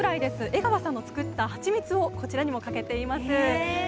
江川さんの作ったハチミツをこちらにもかけています。